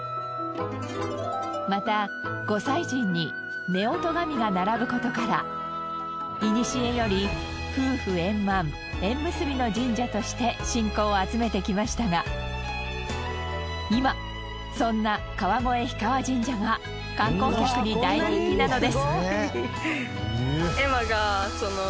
また御祭神に夫婦神が並ぶ事から古より夫婦円満縁結びの神社として信仰を集めてきましたが今そんな川越氷川神社が観光客に大人気なのです。